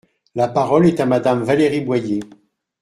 La parole est à Madame Valérie Boyer.